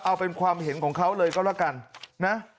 เอาเป็นความเห็นของเขาเลยก็แล้วกันนะ